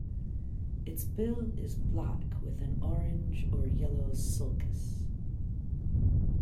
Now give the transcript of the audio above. Its bill is black with an orange or yellow sulcus.